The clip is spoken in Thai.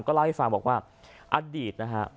เล่าให้ฟังบอกว่าอดีตนะฮะ